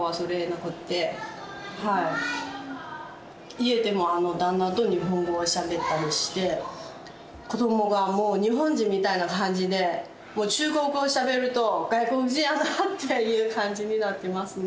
家でも旦那と日本語をしゃべったりして子供がもう日本人みたいな感じで中国語をしゃべると外国人だなっていう感じになってますね。